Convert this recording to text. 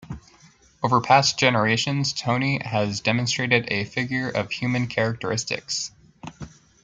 Over past generations Tony has demonstrated a figure of human characteristics.